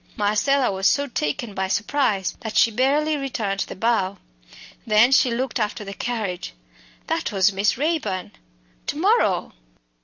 Marcella was so taken by surprise that she barely returned the bow. Then she looked after the carriage. That was Miss Raeburn. To morrow!